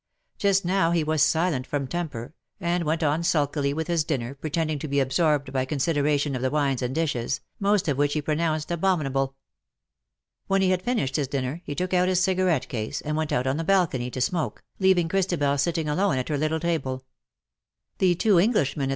Just now he was silent from temper, and went on sulkily with his dinner, pretending to be absorbed by consideration of the wines and dishes, most of which he pronounced abominable. When he had finished his dinner, he took out his cigarette case, and went out on the balcony to smoke, leaving Christabel sitting alone at her little table. The two Englishmen at \.h.